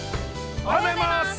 ◆おはようございます！